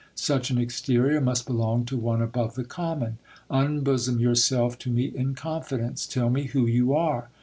Such an exterior must belong to one above the common. Unbosom yourself to me in confidence ; tell me who you are.